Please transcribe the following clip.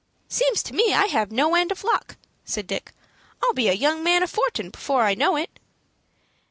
"Seems to me I have no end of luck," said Dick. "I'll be a young man of fortun' before I know it."